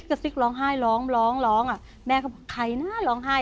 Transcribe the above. ก็ซิกร้องไห้ร้องอะแม่เขาบอกใครนะร้องไห้